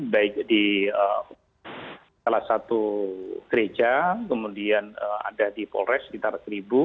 baik di salah satu gereja kemudian ada di polres sekitar seribu